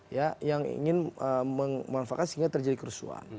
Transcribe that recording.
ya yang ingin memanfaatkan sehingga terjadi kerusuhan